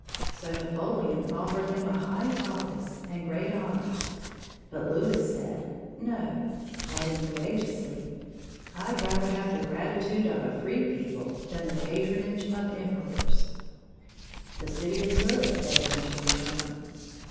So Napoleon offered him a high office and great honors; but Louis said "No," adding courageously: "I'd rather have the gratitude of a free people than the patronage of Emperors!" The city of Zurich begged him to return.